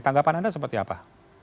tanggapan anda seperti apa